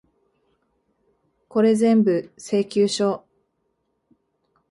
これぜんぶ、請求書。